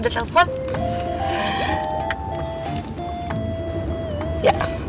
eh nigger ya